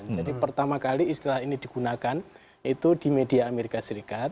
jadi pertama kali istilah ini digunakan itu di media as